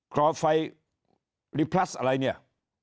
รอไฟริพลัสอะไรเนี่ย